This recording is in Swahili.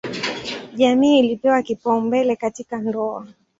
Jamii ilipewa kipaumbele katika ndoa.